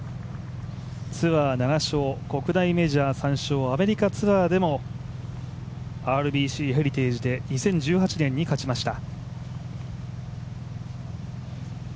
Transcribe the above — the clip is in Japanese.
ツアー７勝、国内メジャー３勝、アメリカツアーでもＲＢＣヘリテイジで２０１８年に勝ちました。